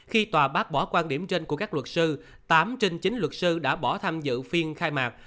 khi tòa bác bỏ quan điểm trên của các luật sư tám trên chín luật sư đã bỏ tham dự phiên khai mạc